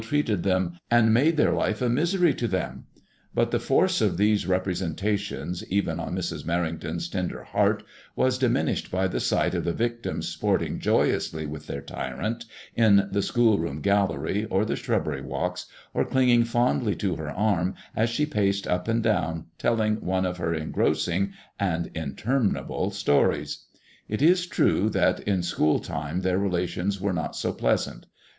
treated them, and made their life a misery to them ; but the force of these representations, even on Mrs. Merrington's tender heart, was diminished by the sight of the victims sporting joyously with their tyrant in the schoolroom gallery or the shrub bery walks, or clinging fondly to her arm as she paced up and down, telling one of her engros sing and interminable stories. It is true that in school time their relations were not so pleasant.